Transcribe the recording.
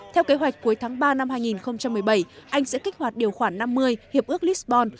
theo kế hoạch cuối tháng ba năm hai nghìn một mươi bảy anh sẽ kích hoạt điều khoản năm mươi hiệp ước lisbon